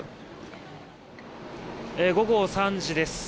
午後３時です。